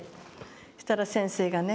そしたら先生がね